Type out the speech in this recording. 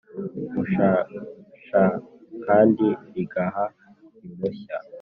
Mushasha kandi rigaha impushya